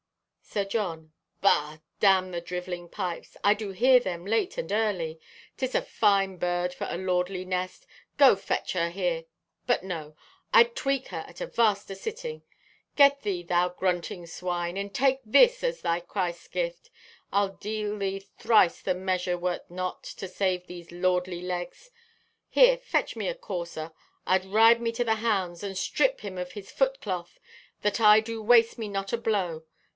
(Sir John) "Bah! Damn the drivelling pipes! I do hear them late and early. 'Tis a fine bird for a lordly nest! Go, fetch her here! But no, I'd tweak her at a vaster sitting. Get thee, thou grunting swine! And take this as thy Christ gift. I'd deal thee thrice the measure wert not to save these lordly legs. Here, fetch me a courser. I'd ride me to the hounds. And strip him of his foot cloth, that I do waste me not a blow.